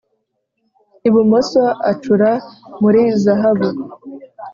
Ibumoso acura muri zahabu